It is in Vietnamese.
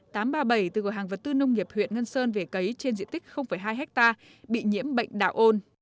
từ cửa hàng vật tư nông nghiệp huyện ngân sơn về cấy trên diện tích hai hectare bị nhiễm bệnh đạo ôn